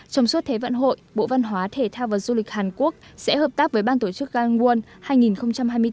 trong suốt thế vận hội bộ văn hóa thể thao và du lịch hàn quốc sẽ hợp tác với ban tổ chức gangwon hai nghìn hai mươi bốn